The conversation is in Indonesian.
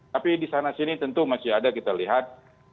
tapi di sana sini tentu masih ada kita lihat